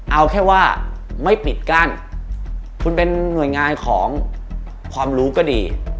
เอาแค่ว่าไม่ปิดกั้นคุณเป็นหน่วยงานของความรู้ก็ดี